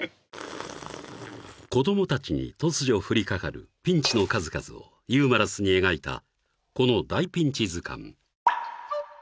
子どもたちに突如降りかかるピンチの数々をユーモラスに描いたこの「大ピンチずかん」